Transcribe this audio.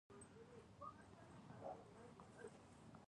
د لمر د حساسیت لپاره باید څه شی وکاروم؟